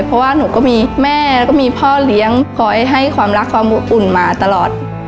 เพราะว่าหนูก็มีแม่แล้วก็มีพ่อเลี้ยงคอยให้ความรักความอบอุ่นมาตลอด